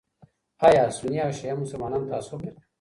ایا سني او شیعه مسلمانان تعصب لري؟